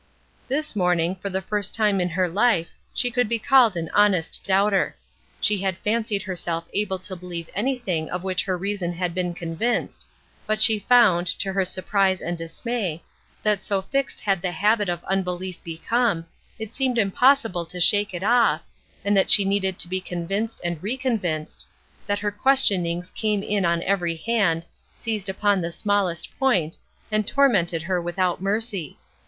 This morning, for the first time in her life, she could be called an honest doubter. She had fancied herself able to believe any thing of which her reason had been convinced; but she found, to her surprise and dismay, that so fixed had the habit of unbelief become, it seemed impossible to shake it off, and that she needed to be convinced and reconvinced; that her questionings came in on every hand, seized upon the smallest point, and tormented her without mercy.